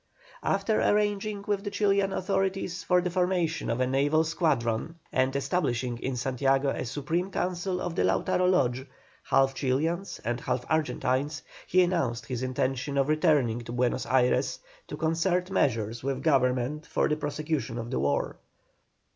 After arranging with the Chilian authorities for the formation of a naval squadron, and establishing in Santiago a Supreme Council of the Lautaro Lodge, half Chilians and half Argentines, he announced his intention of returning to Buenos Ayres to concert measures with Government for the prosecution of the war.